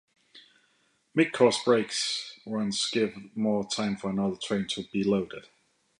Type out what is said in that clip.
Mid-course brake runs give more time for another train to be loaded.